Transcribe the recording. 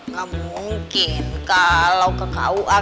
gak mungkin kalau ke kua